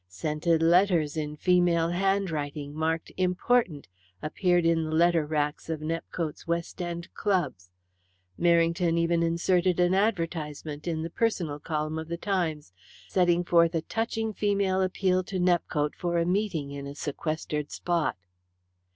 Scented letters in female handwriting, marked "Important," appeared in the letter racks of Nepcote's West End clubs. Merrington even inserted an advertisement in the "Personal" column of the Times, setting forth a touching female appeal to Nepcote for a meeting in a sequestered spot.